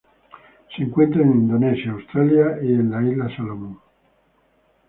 Se encuentran en Indonesia, Australia e Islas Salomón.